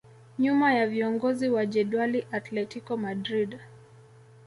Nyuma ya viongozi wa jedwali Atletico Madrid